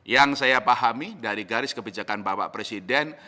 yang saya pahami dari garis kebijakan bapak presiden